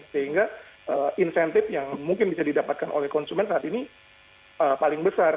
sehingga insentif yang mungkin bisa didapatkan oleh konsumen saat ini paling besar